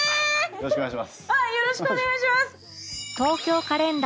よろしくお願いします。